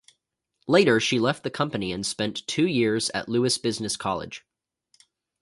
Later, she left the company and spent two years at Lewis Business College.